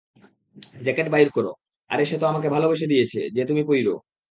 Jacket বাইর কর, আরে সেতো আমাকে ভালবেসে দিয়েছে, যে তুমি পইরো।